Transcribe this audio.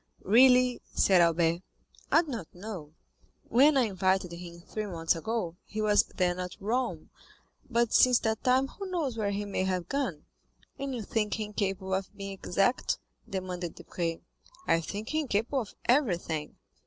"Really," said Albert, "I do not know; when I invited him three months ago, he was then at Rome, but since that time who knows where he may have gone?" "And you think him capable of being exact?" demanded Debray. "I think him capable of everything."